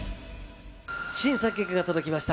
審査結果が届きました。